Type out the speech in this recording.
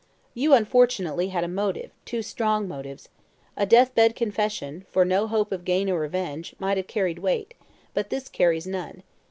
"You unfortunately had a motive two strong motives. A deathbed confession, for no hope of gain or revenge, might have carried weight but this carries none.